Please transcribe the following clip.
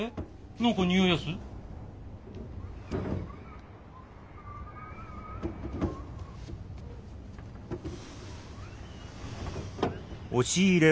何かにおいやす？はっ！